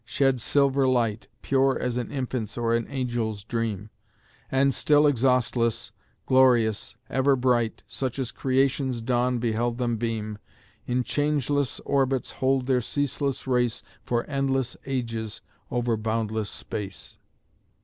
shed silver light, Pure as an infant's or an angel's dream; And still exhaustless, glorious, ever bright, Such as Creation's dawn beheld them beam, In changeless orbits hold their ceaseless race For endless ages over boundless space!